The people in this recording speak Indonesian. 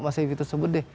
mas alvito sebut deh